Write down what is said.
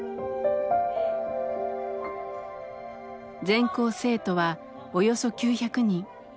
全校生徒はおよそ９００人。